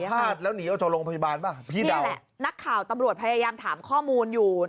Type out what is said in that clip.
แล้วหนีออกจากโรงพยาบาลป่ะพี่ดำแหละนักข่าวตำรวจพยายามถามข้อมูลอยู่